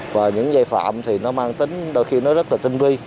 và những dây phạm thì nó mang tính đôi khi nó rất là tinh vi